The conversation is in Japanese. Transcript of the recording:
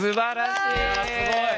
いやすごい。